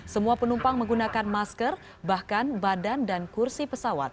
semua penumpang menggunakan masker bahkan badan dan kursi pesawat